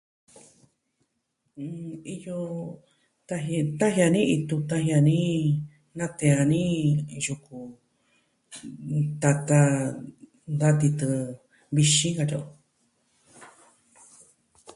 Mm... iyo... taji... taji dani itu, taji da ni, natee dani yuku, tata da titɨ vixin katyi o.